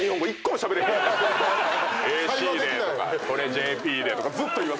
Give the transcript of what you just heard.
「ＡＣで」とか「これＪＰで」とかずっと言わされて。